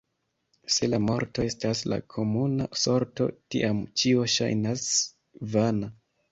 Se la morto estas la komuna sorto, tiam ĉio ŝajnas vana.